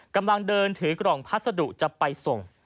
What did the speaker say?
กำลังเดินถือกล่องพัสดุจะไปส่ง